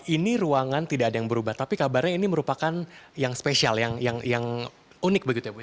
ini ruangan tidak ada yang berubah tapi kabarnya ini merupakan yang spesial yang unik begitu ya bu